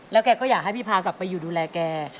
แกก็อยากให้พี่พากลับไปอยู่ดูแลแก